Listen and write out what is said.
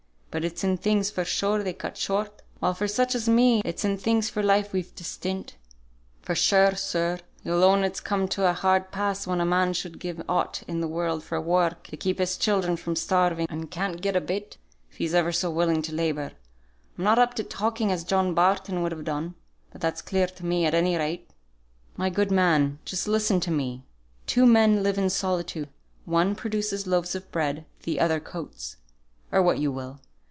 But it's in things for show they cut short; while for such as me, it's in things for life we've to stint. For sure, sir, you'll own it's come to a hard pass when a man would give aught in the world for work to keep his children from starving, and can't get a bit, if he's ever so willing to labour. I'm not up to talking as John Barton would have done, but that's clear to me at any rate." "My good man, just listen to me. Two men live in solitude; one produces loaves of bread, the other coats, or what you will.